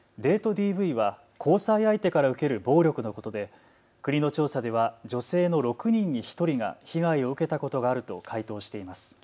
ＤＶは交際相手から受ける暴力のことで国の調査では女性の６人に１人が被害を受けたことがあると回答しています。